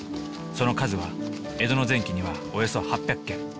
その数は江戸の前期にはおよそ８００軒。